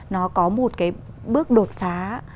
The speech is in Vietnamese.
nó có một cái bước đột phá